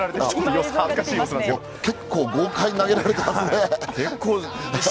結構豪快に投げられていますね。